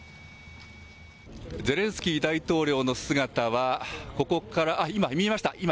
ゼレンスキー大統領の姿はここから、今見えました。